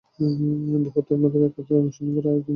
বহুত্বের মধ্যে একত্বের অনুসন্ধান ছাড়া জ্ঞান আর কিছুই নহে।